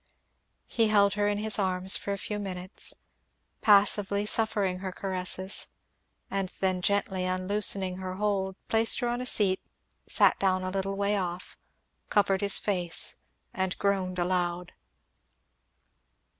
He held her in his arms for a few minutes, passively suffering her caresses, and then gently unloosing her hold placed her on a seat; sat down a little way off, covered his face and groaned aloud.